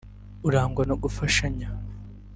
urangwa no gufashanya